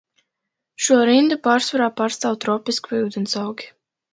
Šo rindu pārsvarā pārstāv tropiski vai ūdensaugi.